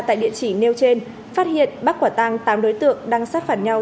tại địa chỉ nêu trên phát hiện bác quả tăng tám đối tượng đang sát phản nhau